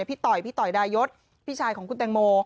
ต่อยพี่ต่อยดายศพี่ชายของคุณแตงโม